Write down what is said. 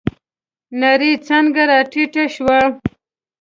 نرۍ څانگه راټيټه شوه.